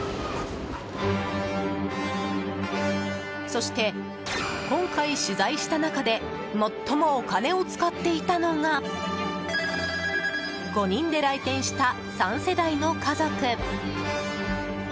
そして、今回取材した中で最もお金を使っていたのが５人で来店した３世代の家族。